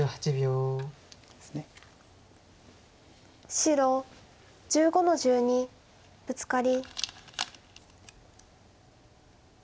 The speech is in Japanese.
白１５の十二ブツカリ。